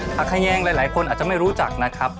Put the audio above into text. ผักแยงหลายคนอาจจะไม่รู้จักนะครับ